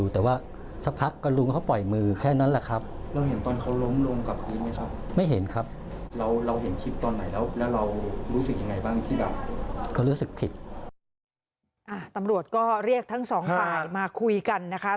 ตำรวจก็เรียกทั้งสองฝ่ายมาคุยกันนะคะ